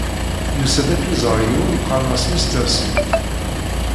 Yusa-d ad k-iẓer yiwen qqaren-as M. Smith.